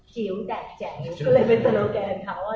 จิ๋วแตกแจ๋วก็เลยเป็นสโลแกนเขาว่า